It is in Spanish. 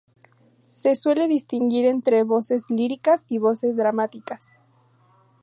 Se suele distinguir entre "voces líricas" y "voces dramáticas".